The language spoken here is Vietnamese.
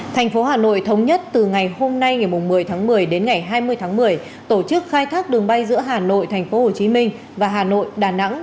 tp hcm thống nhất từ ngày hôm nay ngày một mươi tháng một mươi đến ngày hai mươi tháng một mươi tổ chức khai thác đường bay giữa hà nội tp hcm và hà nội đà nẵng